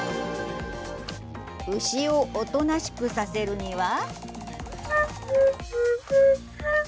牛をおとなしくさせるには。